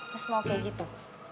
mas mau kayak gitu